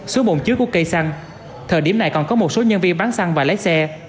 số bồn chứa của cây xăng thời điểm này còn có một số nhân viên bán xăng và lái xe